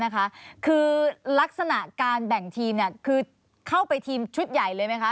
คือลักษณะการแบ่งทีมคือเข้าไปทีมชุดใหญ่เลยไหมคะ